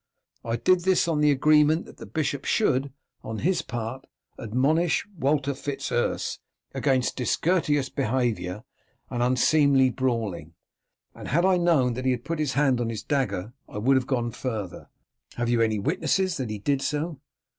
I did this on the agreement that the bishop should, on his part, admonish Walter Fitz Urse against discourteous behaviour and unseemly brawling, and had I known that he had put his hand on his dagger, I would have gone further. Have you any witnesses that he did so?"